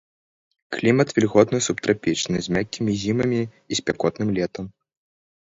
Клімат вільготны субтрапічны з мяккімі зімамі і спякотным летам.